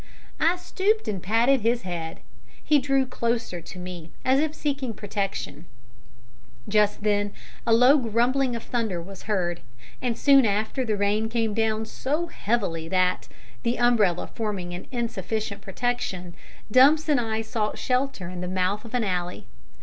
I stooped and patted his head. He drew closer to me, as if seeking protection. Just then a low grumbling of thunder was heard, and soon after the rain came down so heavily that, the umbrella forming an insufficient protection, Dumps and I sought shelter in the mouth of an alley.